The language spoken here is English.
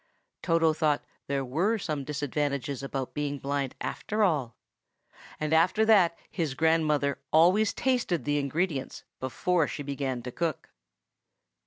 Toto thought there were some disadvantages about being blind, after all; and after that his grandmother always tasted the ingredients before she began to cook.